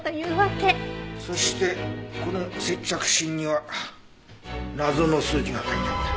そしてこの接着芯には謎の数字が書いてあった。